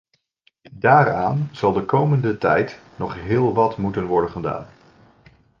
Daaraan zal de komende tijd nog heel wat moeten worden gedaan.